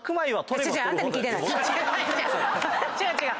違う違う。